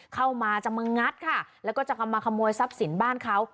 เข้ามาจะมางัดค่ะแล้วก็จะเข้ามาขโมยทรัพย์สินบ้านเขา